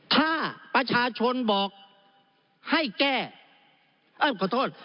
ถ้าประชาชนบอกให้แก้เอ้ยขอโทษ